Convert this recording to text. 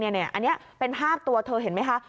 อันนี้เป็นภาพตัวเธอเห็นไหมคะ